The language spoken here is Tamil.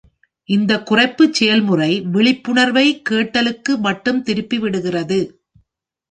இந்த குறைப்புசெயல்முறை விழிப்புணர்வை கேட்டலுக்கு மட்டும் திருப்பி விடுகிறது.